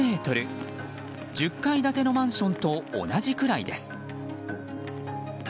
１０階建てのマンションと同じくらいです。